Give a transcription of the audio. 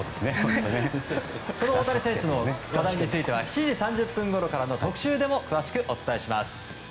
大谷選手の話題については７時３０分ごろからの特集で詳しくお伝えします。